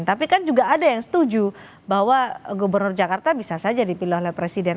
tapi kan juga ada yang setuju bahwa gubernur jakarta bisa saja dipilih oleh presiden